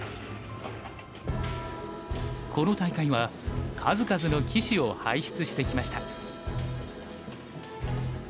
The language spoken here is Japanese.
この大会は数々の棋士を輩出してきました。